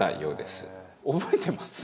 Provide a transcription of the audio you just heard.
覚えてます？